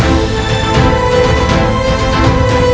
ong clan lebih mendekatkan observe